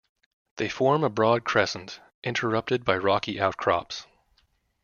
They form a broad crescent, interrupted by rocky outcrops.